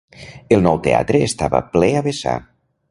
El nou teatre estava ple a vessar.